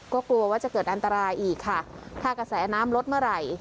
ก็กลัวว่าจะเกิดอันตรายอีกค่ะถ้ากระแสน้ำลดเมื่อไหร่